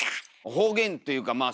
方言っていうかまあ